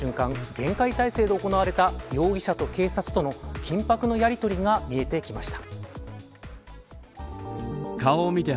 厳戒態勢で行われた容疑者と警察との緊迫のやりとりが見えてきました。